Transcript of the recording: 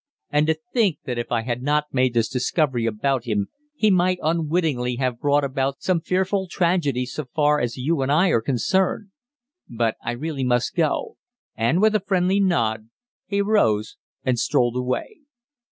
And to think that if I had not made this discovery about him he might unwittingly have brought about some fearful tragedy so far as you and I are concerned! But I must really go," and, with a friendly nod, he rose and strolled away.